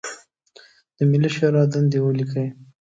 د ملي شورا دندې ولیکئ.